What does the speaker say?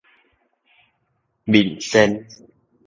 面善